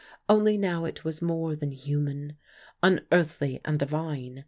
Only now it was more than human, unearthly and divine.